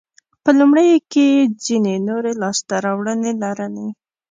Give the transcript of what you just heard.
په لومړیو کې یې ځیني نورې لاسته راوړنې لرلې.